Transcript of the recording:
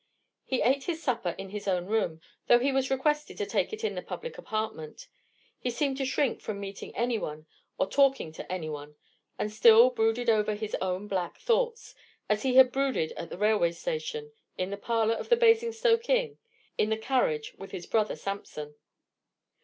He ate his supper in his own room, though he was requested to take it in the public apartment. He seemed to shrink from meeting any one, or talking to any one; and still brooded over his own black thoughts: as he had brooded at the railway station, in the parlour of the Basingstoke inn, in the carriage with his brother Sampson.